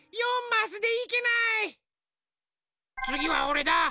つぎはおれだ。